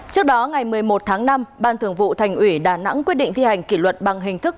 trước đó ngày một mươi một tháng năm ban thường vụ thành ủy đà nẵng quyết định thi hành kỷ luật bằng hình thức